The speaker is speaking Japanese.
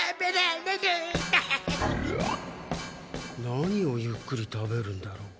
何をゆっくり食べるんだろう。